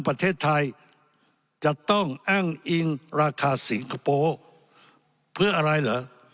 ประเทศไทยจะต้องอ้างอิงราคาสิงคโปร์เพื่ออะไรเหรอ